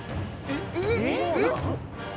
えっ！